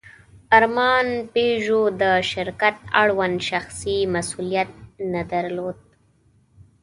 ارمان پيژو د شرکت اړوند شخصي مسوولیت نه درلود.